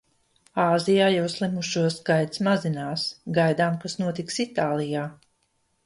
Āzijā jau slimušo skaits mazinās; gaidām, kas notiks Itālijā.